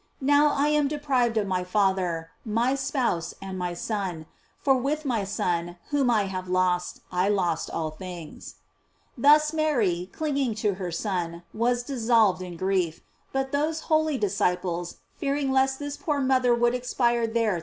Now I am deprived of my father, my spouse, and my Son, for with my Son whom I have lost, I lose all things, f Thus Mary, clinging to her Son, was dissolved in grief; but those holy disciples, fearing lest this poor mother would expire there through * c.